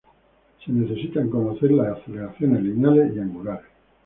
Se necesitan conocer las aceleraciones lineales y angulares.